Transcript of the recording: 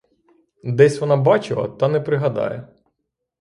Десь вона бачила, та не пригадає.